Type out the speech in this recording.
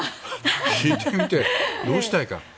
聞いてみて、どうしたいか。